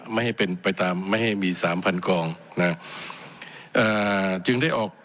ไม่ให้เป็นไปตามไม่ให้มีสามพันกองนะอ่าจึงได้ออก